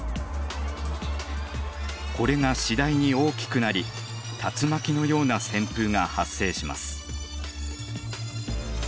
これが次第に大きくなり竜巻のような旋風が発生します。